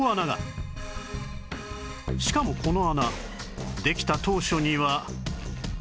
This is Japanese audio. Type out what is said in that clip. しかもこの穴できた当初には